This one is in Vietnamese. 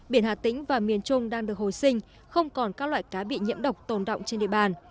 biển hà tĩnh và miền trung đang được hồi sinh không còn các loại cá bị nhiễm độc tồn động trên địa bàn